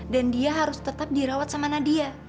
dia harus tetap dirawat sama nadia